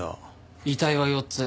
遺体は４つ。